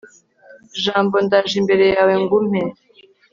jambo, ndaje imbere yawe, ngo umpe